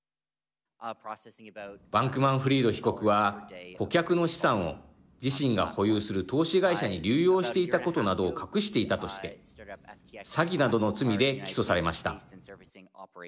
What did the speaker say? バンクマンフリード被告は顧客の資産を自身が保有する投資会社に流用していたことなどを隠していたとして詐欺などの罪で起訴されました。